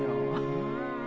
うん。